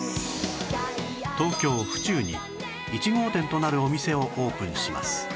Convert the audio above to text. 東京府中に１号店となるお店をオープンします